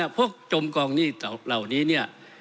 จมกองหนี้เหล่านี้เนี่ย